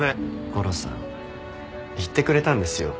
ゴロさん言ってくれたんですよ。